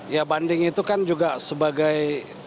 ya banding itu kan juga sebagai